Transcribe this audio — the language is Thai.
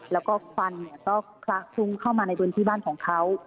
แล้วก็ควันก็คละคลุ้งเข้ามาในพื้นที่บ้านของเขา